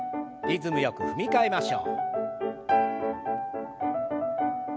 リズムよく踏み替えましょう。